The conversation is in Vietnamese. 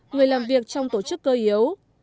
người làm việc trong tổ chức cơ yếu